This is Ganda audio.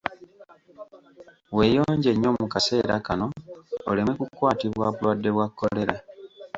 Weeyonje nnyo mu kaseera kano oleme kukwatibwa bulwadde bwa kolera